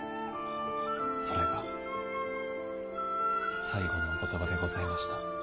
それが最後のお言葉でございました。